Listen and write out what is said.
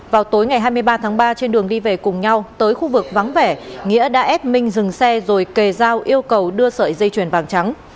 vào tối ngày hai mươi ba tháng ba trên đường đi về cùng nhau tới khu vực vắng vẻ nghĩa đã ép minh dừng xe rồi kề dao yêu cầu đưa sợi dây chuyền vàng trắng